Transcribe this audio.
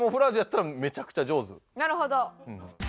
なるほど。